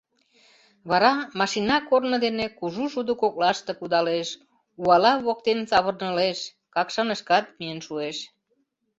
Вара машина корно дене кужу шудо коклаште кудалеш, уала воктен савырнылеш, Какшанышкат миен шуэш.